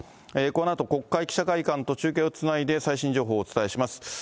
このあと国会記者会館と中継をつないで最新情報をお伝えいたします。